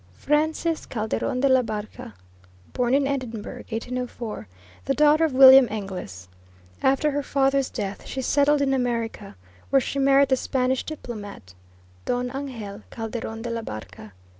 FRANCES CALDERON DE LA BARCA, born in Edinburgh, 1804, the daughter of William Inglis. After her father's death she settled in America, where she married the Spanish diplomat, Don Angel Calderon de la Barca.